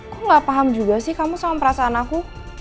kok nggak paham juga sih kamu sama perasaan aku